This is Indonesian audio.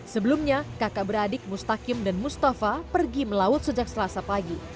sebelumnya kakak beradik mustakim dan mustafa pergi melaut sejak selasa pagi